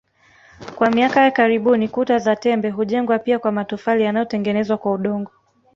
Kwa miaka ya karibuni kuta za tembe hujengwa pia kwa matofali yanayotengenezwa kwa udongo